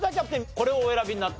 これをお選びになった？